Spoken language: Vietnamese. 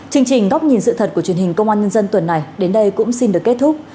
chương trình góc nhìn sự thật của truyền hình công an nhân dân tuần này đến đây cũng xin được kết thúc